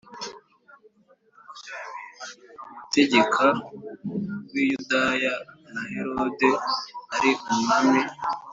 Umutegeka w i yudaya na herode ari umwami